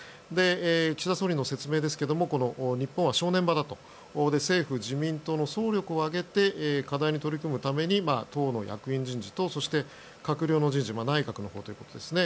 岸田総理の説明ですがこの日本は正念場だと政府・自民党の総力を挙げて課題に取り組むために党の役員人事とそして閣僚の人事内閣のほうということですね。